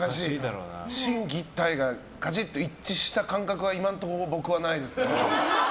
心技体が一致した感覚は今のところ僕はないですね。